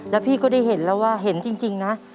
แล้วพี่ก็ได้เห็นแล้วว่าเห็นจริงนะ